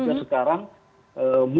yang tentu saya sangat memahami soal pepahamu